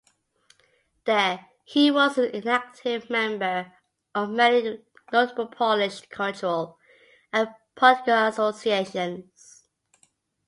There, he was an active member of many notable Polish cultural and political associations.